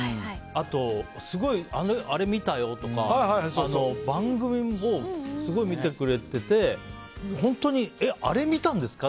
あと、すごいあれ見たよ！とか番組をすごい見てくれててえっ、あれ見たんですか？